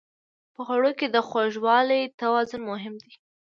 په خوړو کې د خوږوالي توازن مهم دی.